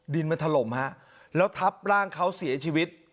ดินมันถล่มฮะแล้วทับร่างเขาเสียชีวิต